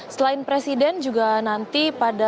selain presiden juga nanti pada